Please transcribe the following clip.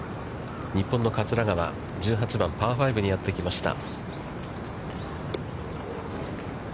日本の桂川、１８番、パー５にやってきました。